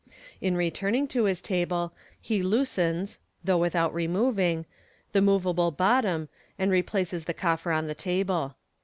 In returning to his table, he loosens (though without removing) the moveable bottom, ind replaces the coffer on the table.